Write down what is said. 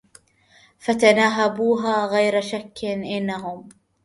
فتناهبوها غيرَ شكّ إنهم